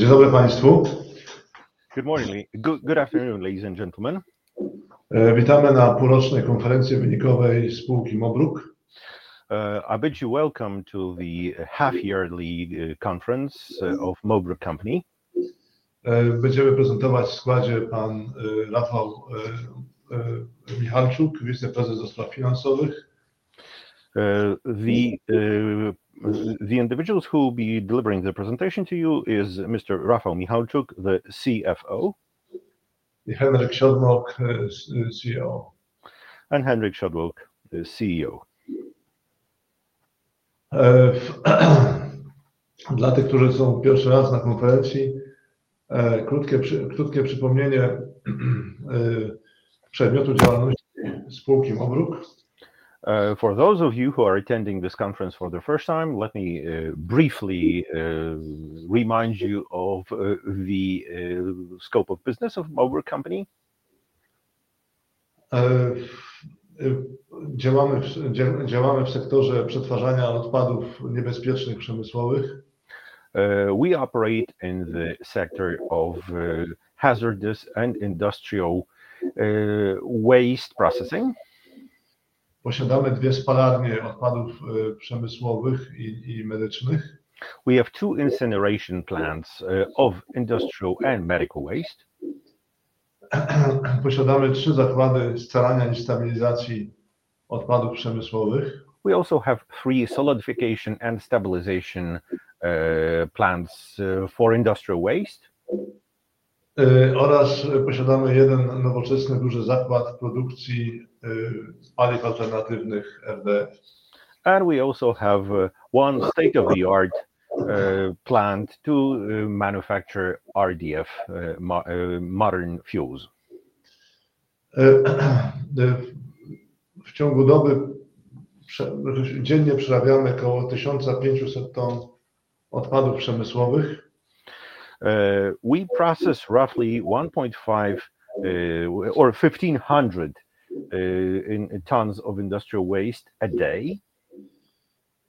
Good morning, Lee. Good good afternoon, ladies and gentlemen. I bet you welcome to the half yearly conference of Mobrik company. The the individuals who'll be delivering the presentation to you is mister Rafa Mihaljuk, the CFO. And Hendrik Schadbroek, the CEO. For those of you who are attending this conference for the first time, let me briefly remind you of the scope of business of our company. We operate in the sector of hazardous and industrial waste processing. We have two incineration plants of industrial and medical waste. We also have three solidification and stabilization plants for industrial waste. And we also have one state of the art plant to manufacture RDF, modern fuels? We process roughly 1.5 or 1,500 in in tons of industrial waste a day.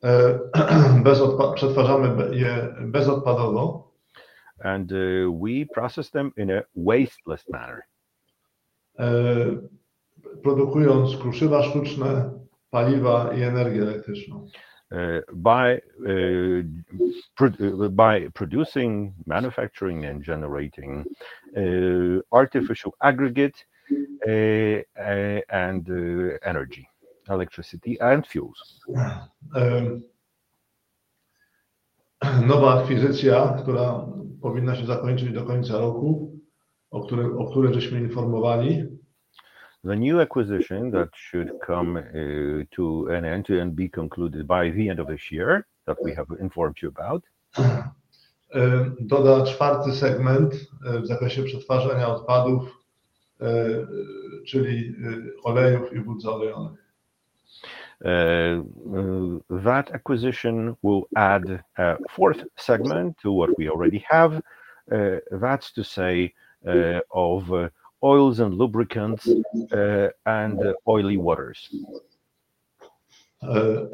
And we process them in a wasteless manner. By by producing, manufacturing, and generating artificial aggregate and energy, electricity, and fuels. The new acquisition that should come to an end and be concluded by the end of this year that we have informed you about. That acquisition will add a fourth segment to what we already have. That's to say of oils and lubricants and oily waters. We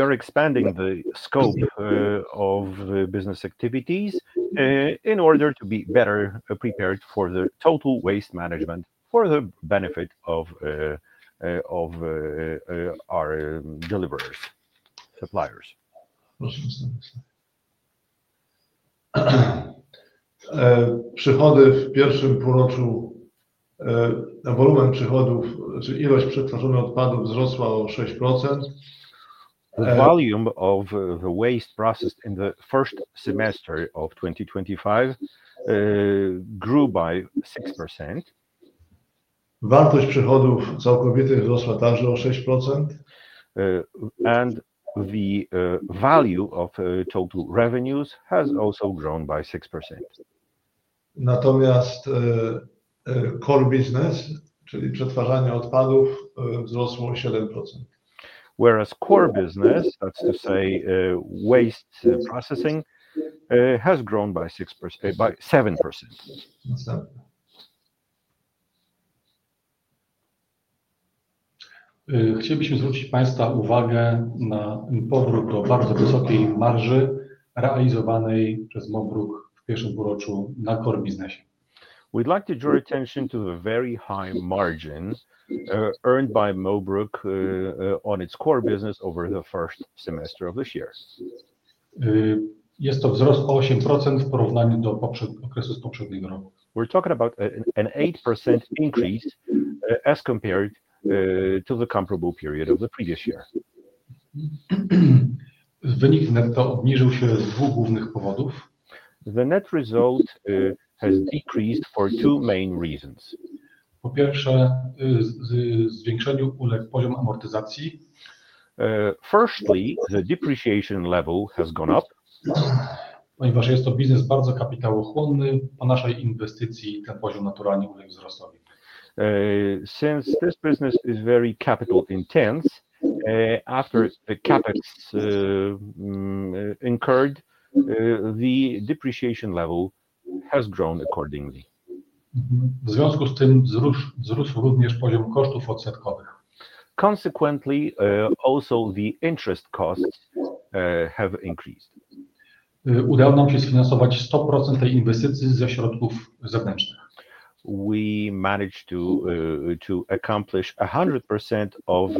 are expanding the scope of the business activities in order to be better prepared for the total waste management for the benefit of of our deliverers, suppliers. The volume of the waste processed in the 2025 grew by six percent. And the value of total revenues has also grown by 6%. Not only asked core business. Whereas core business, that's to say waste processing, has grown by six per by 7%. We'd like to draw attention to a very high margin earned by Mobrook on its core business over the first semester of this year. We're talking about an 8% increase as compared to the comparable period of the previous year. The net result has decreased for two main reasons. Firstly, the depreciation level has gone up. Since this business is very capital intense, after the CapEx incurred, the depreciation level has grown accordingly. Consequently, also the interest costs, have increased. We managed to, to accomplish a 100% of,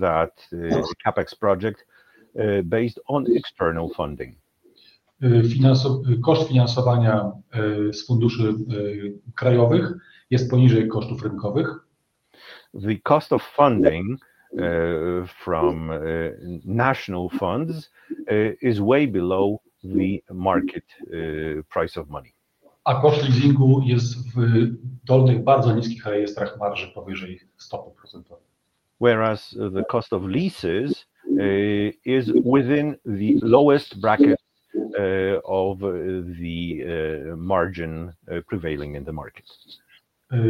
that CapEx project, based on external funding. The cost of funding from national funds is way below the market price of money. Whereas the cost of leases is within the lowest bracket of the margin prevailing in the market. As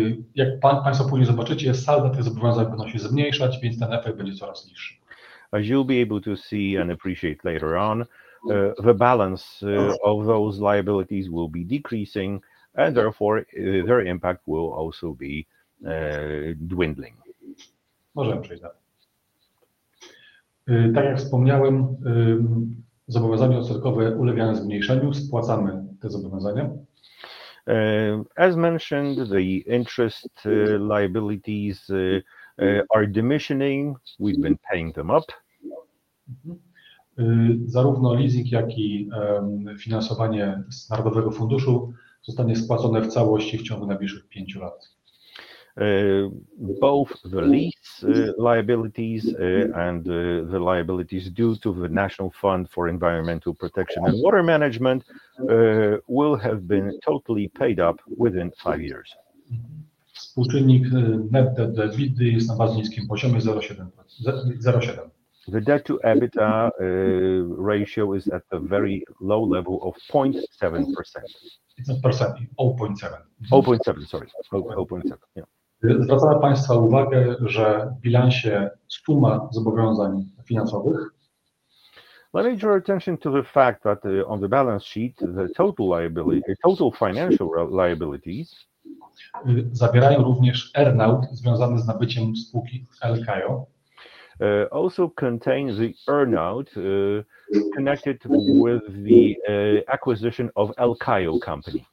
you'll be able to see and appreciate later on, the balance of those liabilities will be decreasing, and therefore, their impact will also be dwindling. As mentioned, the interest liabilities are diminishing. We've been paying them up. Both the lease liabilities and the liabilities due to the National Fund for Environmental Protection and Water Management will have been totally paid up within five years. The debt to EBITDA ratio is at the very low level of point 7%. It's a percent. Oh, point seven. Oh, point seven. Sorry. Oh, oh, point seven. Yeah. Let me draw attention to the fact that on the balance sheet, the total liability total financial liabilities Also contains the earnout connected with the acquisition of El Caio company.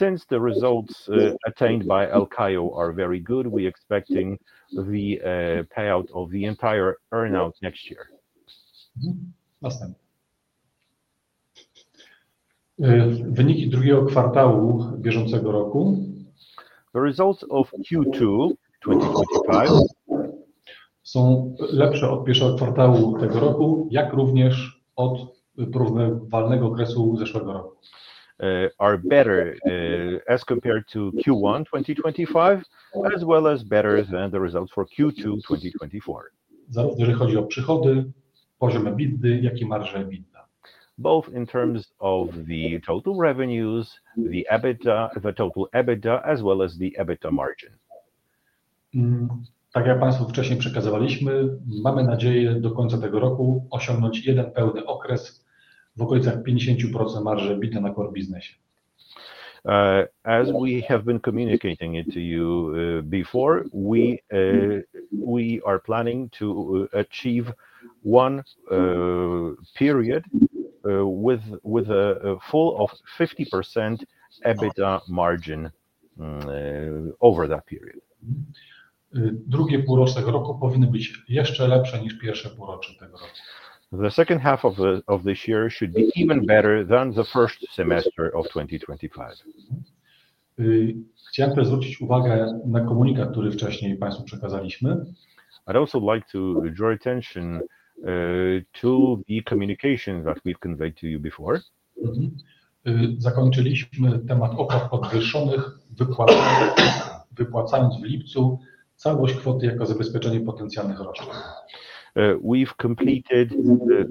Since the results attained by Elkayo are very good, we're expecting the payout of the entire earn out next year. The results of q two twenty twenty five are better as compared to Q1 twenty twenty five as well as better than the results for Q2 twenty twenty four. Both in terms of the total revenues, the EBITDA, the total EBITDA, as well as the EBITDA margin. As we have been communicating it to you before, we we are planning to achieve one period with with a full of 50% EBITDA margin over that period. The second half of the of this year should be even better than the first semester of 2025. I'd also like to draw attention to the communication that we've conveyed to you before. We've completed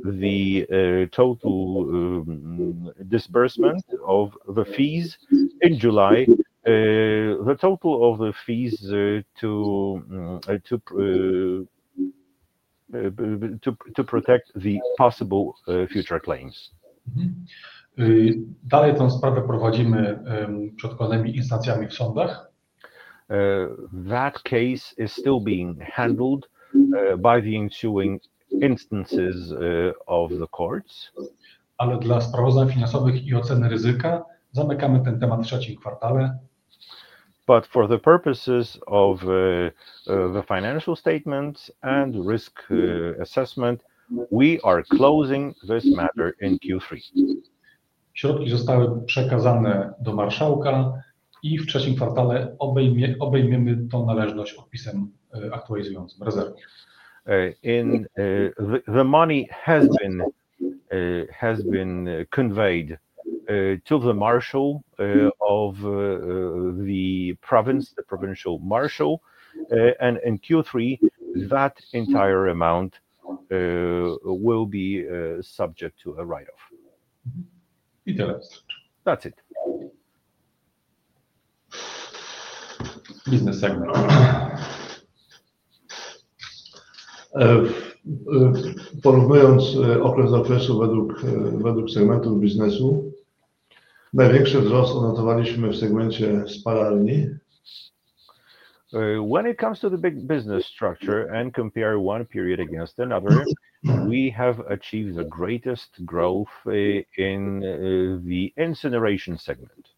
the total disbursement of the fees in July, the total of the fees to to to to protect the possible future claims. That case is still being handled by the ensuing instances of the courts. But for the purposes of the financial statements and risk assessment, we are closing this matter in q three. In the the money has been has been conveyed to the marshal of the province, the provincial marshal. And in q three, that entire amount will be subject to a write off. It helps. That's it. Business segment. When it comes to the big business structure and compare one period against another, we have achieved the greatest growth in the incineration segment.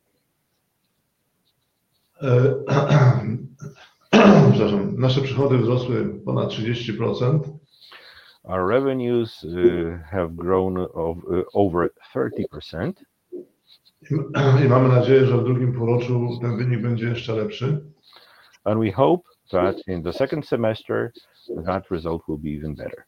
Our revenues have grown of over 30%. And we hope that in the second semester, that result will be even better.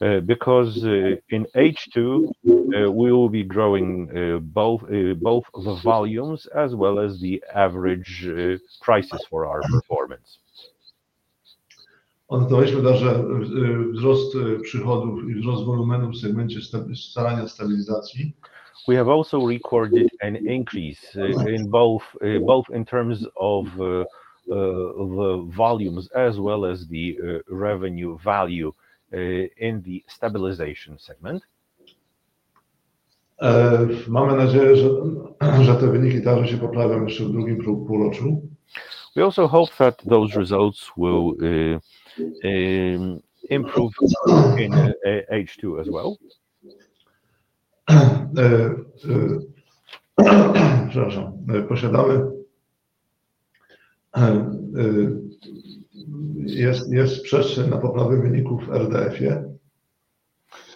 Because in h two, we will be growing both both the volumes as well as the average prices for our performance. We have also recorded an increase in both in terms of volumes as well as the revenue value in the stabilization segment. We also hope that those results will improve in h two as well. Yes. Yes.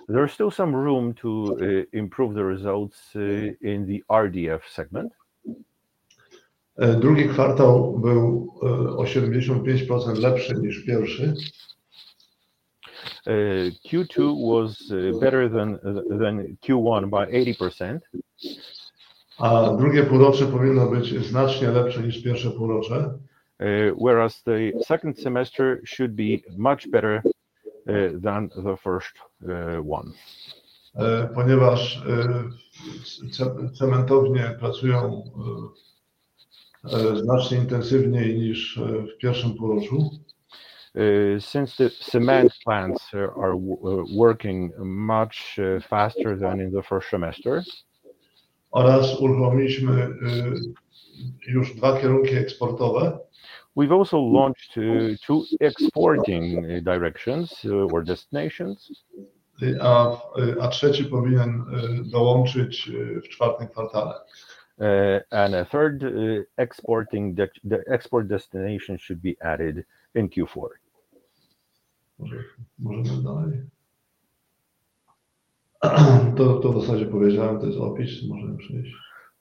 There's still some room to improve the results in the RDF segment. Q two was better than than q one by 80%. Whereas the second semester should be much better than the first one. Since the cement plants are working much faster than in the first semester. We've also launched two two exporting directions or destinations. And a third exporting deck the export destination should be added in q four.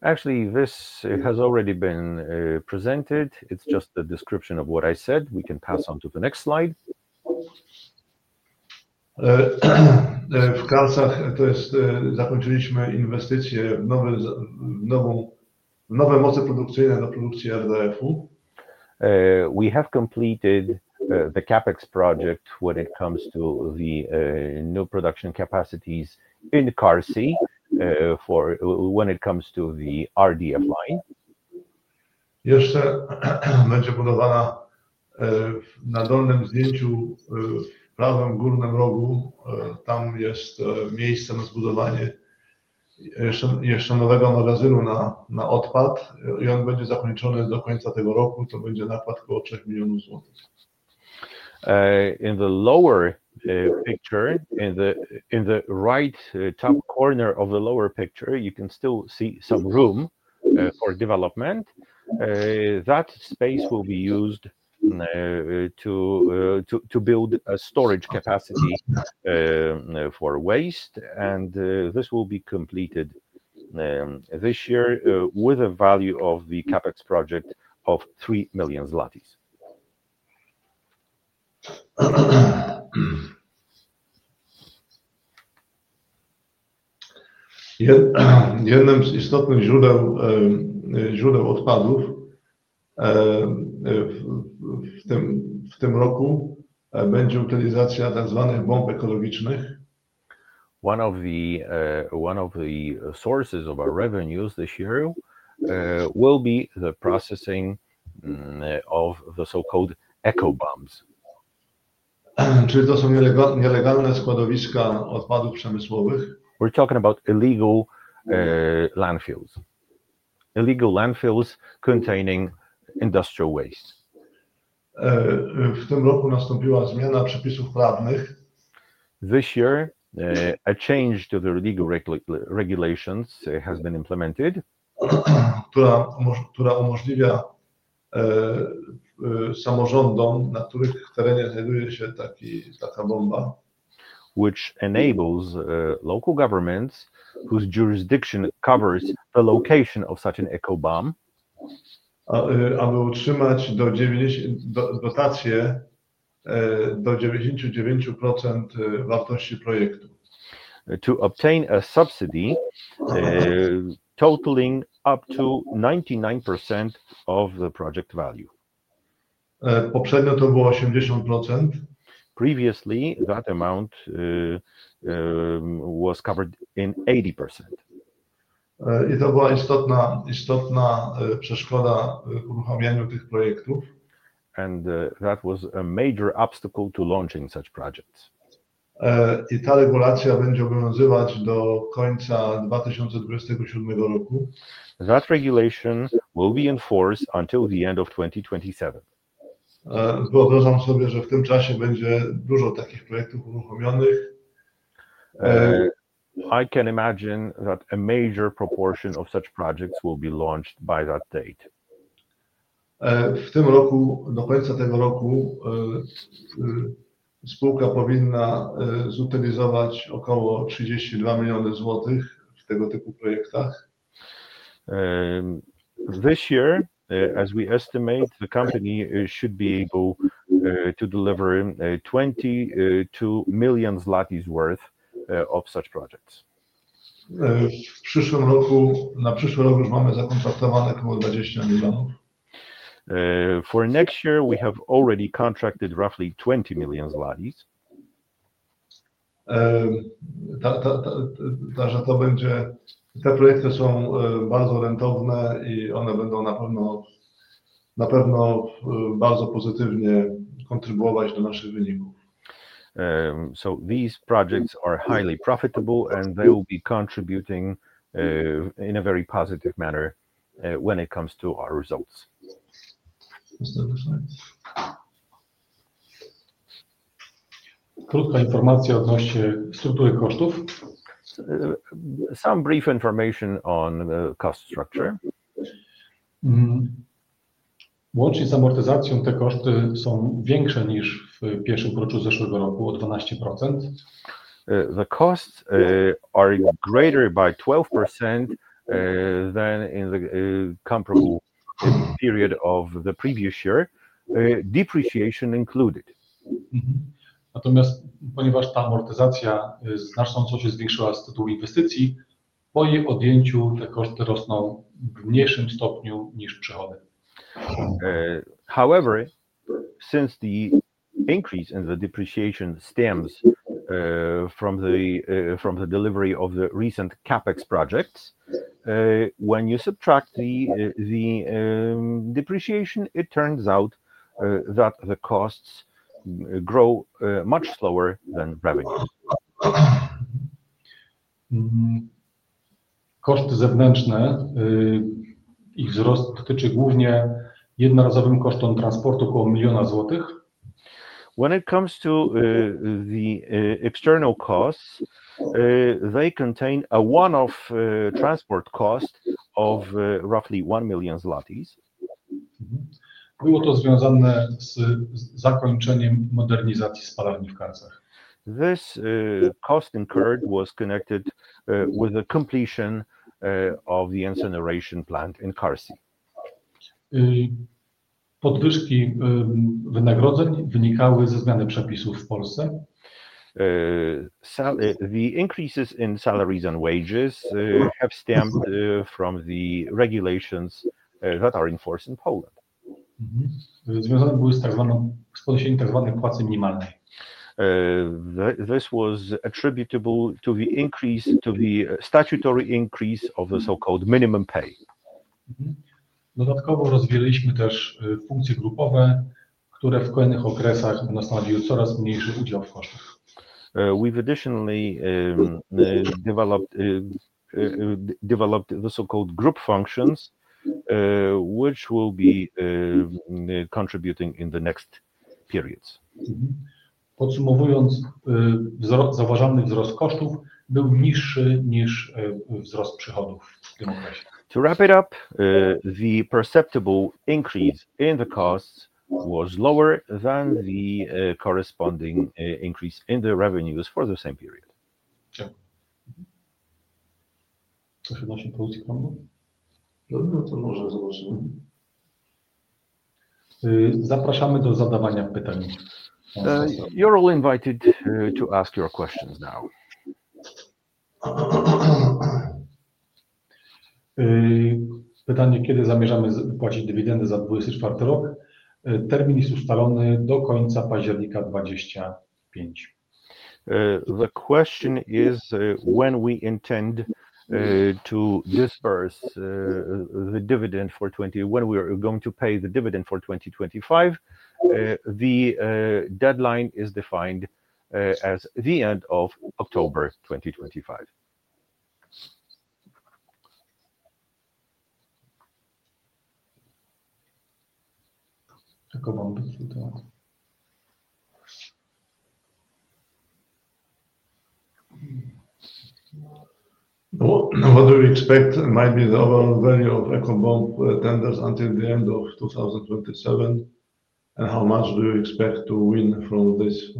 Actually, this has already been presented. It's just the description of what I said. We can pass on to the next slide. We have completed the CapEx project when it comes to the new production capacities in Karsey for when it comes to the RDF line. In the lower picture, in the in the right top corner of the lower picture, you can still see some room for development. That space will be used to to to build a storage capacity, for waste, and, this will be completed this year with a value of the CapEx project of 3,000,000. One of the one of the sources of our revenues, this year, will be the processing of the so called echo bombs. We're talking about illegal landfills illegal landfills containing industrial waste. This year, a change to the regulations has been implemented, Which enables local governments whose jurisdiction covers the location of such an eco bomb. To obtain a subsidy totaling up to 99% of the project value. Previously, that amount was covered in 80%. And that was a major obstacle to launching such projects. That regulation will be enforced until the 2027. I can imagine that a major proportion of such projects will be launched by that date. This year, as we estimate, the company should be able to deliver 22,000,000 zlattes worth of such projects. For next year, we have already contracted roughly 20,000,000. So these projects are highly profitable, and they will be contributing, in a very positive manner, when it comes to our results. Some brief information on the cost structure. The costs are greater by 12% than in the comparable period of the previous year. Depreciation included. However, since the increase in the depreciation stems from the from the delivery of the recent CapEx projects, when you subtract the the depreciation, it turns out that the costs grow much slower than revenue. When it comes to the external costs, they contain a one off transport cost of roughly 1,000,000 zlattes. This cost incurred was connected, with the completion, of the incineration plant in Kharsi. The increases in salaries and wages have stemmed from the regulations that are enforced in Poland. This was attributable to the increase to the statutory increase of the so called minimum pay. We've additionally developed developed the so called group functions, which will be contributing in the next periods. Mhmm. To wrap it up, the perceptible increase in the costs was lower than the corresponding increase in the revenues for the same period. You're all invited to to ask your questions now. The question is when we intend to disperse the dividend for 2020 when we are going to pay the dividend for 2025, the deadline is defined as the October 2025. What do we expect? It might be the overall value of a combined tenders until the 2027, And how much do you expect to win from this?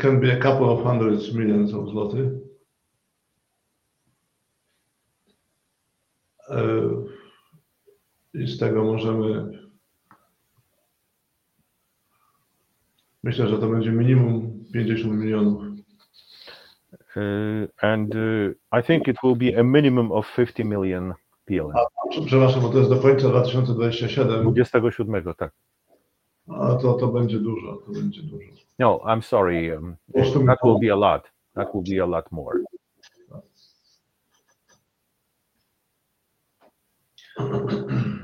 Can be a couple of hundreds millions of zloty. And I think it will be a minimum of 50,000,000 PLN. No. I'm sorry. That will be a lot. That will be a lot more.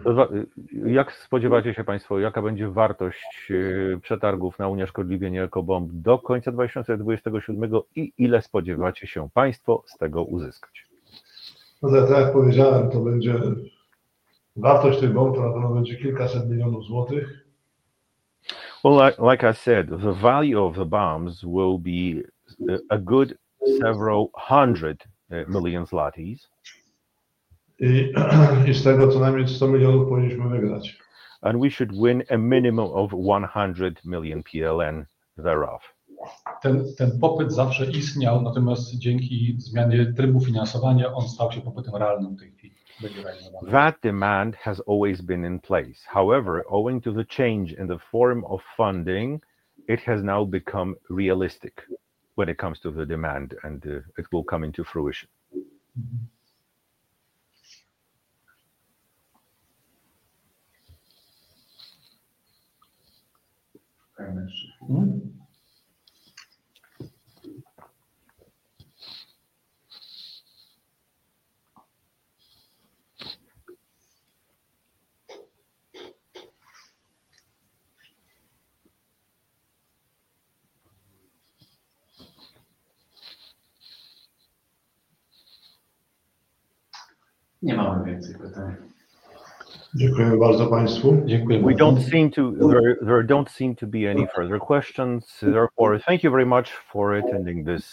Well, like like I said, the value of the bombs will be a good several 100,000,000 zlattes. And we should win a minimum of 100,000,000 PLN thereof. That demand has always been in place. However, owing to the change in the form of funding, it has now become realistic when it comes to the demand, and it will come into fruition. We don't seem to there there don't seem to be any further questions. Therefore, thank you very much for attending this